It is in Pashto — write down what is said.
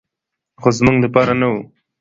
خو زموږ لپاره نه و.